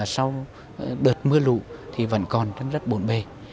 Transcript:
sau đợt mưa lũ thì vẫn còn rất bổn bề